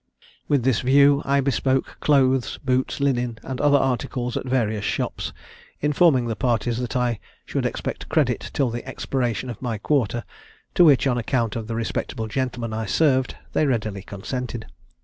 With this view I bespoke clothes, boots, linen, and other articles at various shops, informing the parties that I should expect credit till the expiration of my quarter, to which, on account of the respectable gentleman I served, they readily consented.